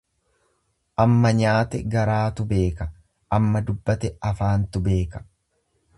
Amma nyaate garaatu beeka, amma dubbate afaantu beeka.